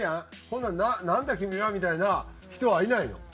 ほんなら「なんだ？君は」みたいな人はいないの？